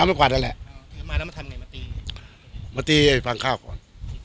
มาตีบังข้าวก่อน